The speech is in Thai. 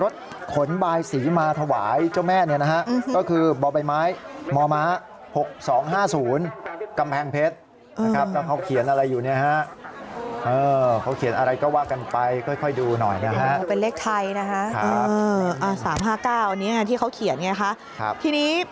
ที่นี่ขี้กำแพงเพชรอยู่เหมือนกัน